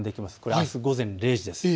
あす午前０時です。